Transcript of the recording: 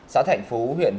xã thành phú